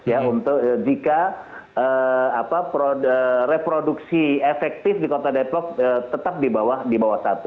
ya untuk jika reproduksi efektif di kota depok tetap di bawah satu